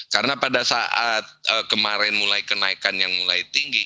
karena pada saat kemarin mulai kenaikan yang mulai tinggi